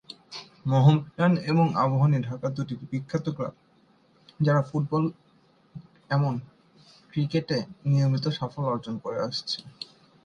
মোহামেডান এবং আবাহনী ঢাকার দুটি বিখ্যাত ক্লাব যারা ফুটবল এমন ক্রিকেটে নিয়মিত সাফল্য অর্জন করে আসছে।